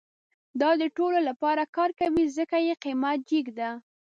دا د ټولو لپاره کار کوي، ځکه یې قیمت جیګ ده